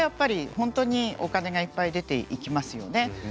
お金がいっぱい出ていきますよね。